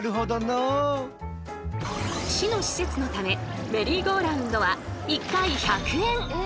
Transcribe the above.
市の施設のためメリーゴーラウンドは１回１００円。